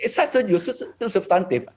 saya setuju itu substantif